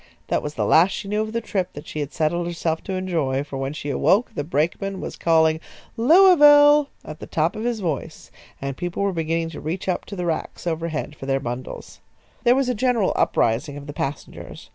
That was the last she knew of the trip that she had settled herself to enjoy, for when she awoke the brakeman was calling "Louisville!" at the top of his voice, and people were beginning to reach up to the racks overhead for their bundles. There was a general uprising of the passengers.